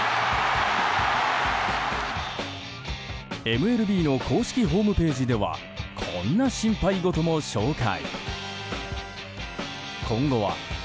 ＭＬＢの公式ホームページではこんな心配事も紹介。